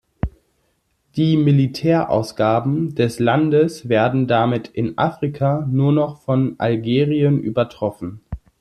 Die Militärausgaben des Landes werden damit in Afrika nur noch von Algerien übertroffen.